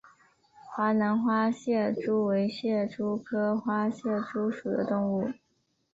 华南花蟹蛛为蟹蛛科花蟹蛛属的动物。